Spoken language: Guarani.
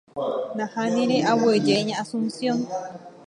Nahániri aguyje ña Anunciación